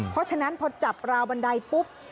เพราะฉะนั้นพอจับราวบันไดปุ๊บ